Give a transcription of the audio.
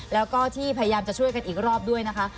แล้วก็ที่พยายามจะช่วยกันอีกรอบด้วยนะคะ